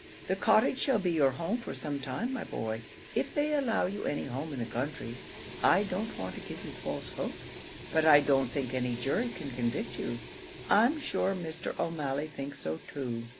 The Cottage shall be your home for some time, my boy, if they allow you any home in the country. I don't want to give you false hopes, but I don't think any jury can convict you. I'm sure Mr. O'Malley thinks so too."